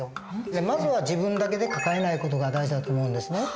まずは自分だけで抱えない事が大事だと思うんですね。